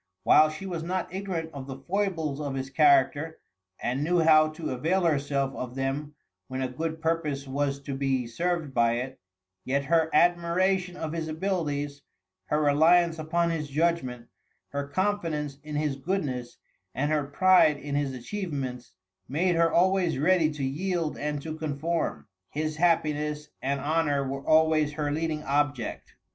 While she was not ignorant of the foibles of his character, and knew how to avail herself of them when a good purpose was to be served by it, yet her admiration of his abilities, her reliance upon his judgment, her confidence in his goodness, and her pride in his achievements, made her always ready to yield and to conform. His happiness and honor were always her leading object.